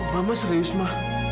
mama serius ma